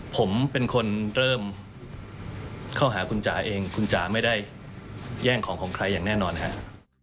ผมเป็นคนเริ่มเข้าหาคุณจ๋าเองคุณจ๋าไม่ได้แย่งของของใครอย่างแน่นอนครับ